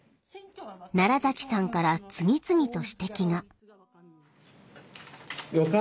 奈良さんから次々と指摘が。